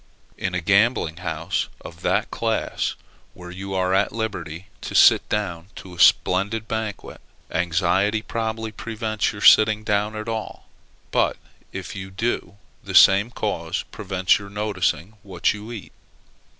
In a gambling house of that class, where you are at liberty to sit down to a splendid banquet, anxiety probably prevents your sitting down at all; but, if you do, the same cause prevents your noticing what you eat.